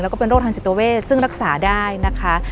แล้วก็เป็นโรคทางจิตเวทซึ่งรักษาได้นะคะ